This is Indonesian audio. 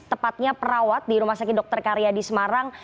tepatnya perawat di rumah sakit dr karya di semarang